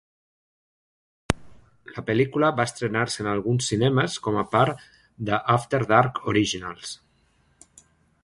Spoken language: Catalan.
La pel·lícula va estrenar-se en alguns cinemes com a part de "After Dark Originals".